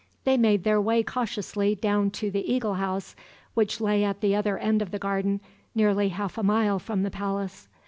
They made their way cautiously down to the eagle house, which lay at the other end of the garden, nearly half a mile from the palace.